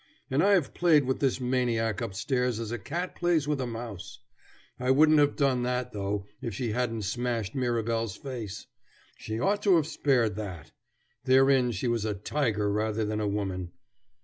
And I have played with this maniac upstairs as a cat plays with a mouse. I wouldn't have done that, though, if she hadn't smashed Mirabel's face. She ought to have spared that. Therein she was a tiger rather than a woman.